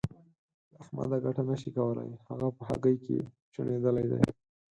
له احمده ګټه نه شې کولای؛ هغه په هګۍ کې چوڼېدلی دی.